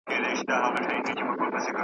یووالی ځواک پیدا کوي.